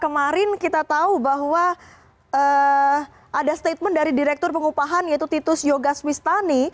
kemarin kita tahu bahwa ada statement dari direktur pengupahan yaitu titus yogas wistani